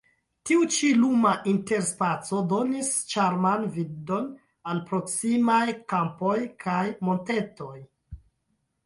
Tiu ĉi luma interspaco donis ĉarman vidon al proksimaj kampoj kaj montetoj.